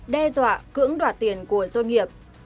đe dọa cưỡng đoạt tiền của doanh nghiệp